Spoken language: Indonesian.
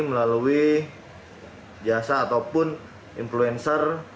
melalui jasa ataupun influencer